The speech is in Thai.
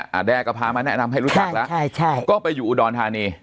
แด้ก็พามาแนะนำให้รู้จักแล้วใช่ใช่ก็ไปอยู่อุดรธานี